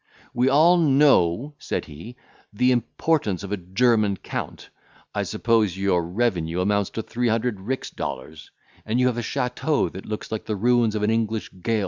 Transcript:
"We all know," said he, "the importance of a German count; I suppose your revenue amounts to three hundred rix dollars; and you have a chateau that looks like the ruins of an English gaol.